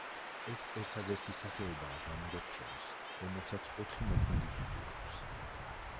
ეს ერთადერთი სახეობაა ღამურებს შორის, რომელსაც ოთხი მოქმედი ძუძუ აქვს.